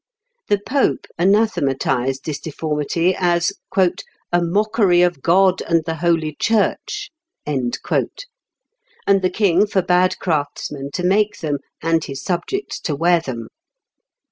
The Pope anathematized this deformity as "a mockery of God and the holy Church," and the King forbad craftsmen to make them, and his subjects to wear them.